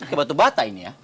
kebatu bata ini ya